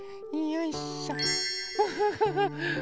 よいしょ。